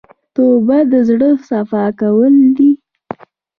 توبه د زړه صفا کول دي.